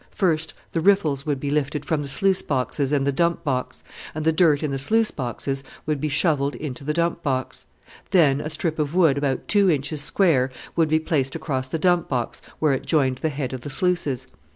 First, the riffles would be lifted from the sluice boxes and the dump box, and the dirt in the sluice boxes would be shovelled into the dump box. Then a strip of wood, about two inches square, would be placed across the dump box where it joined the head of the sluices.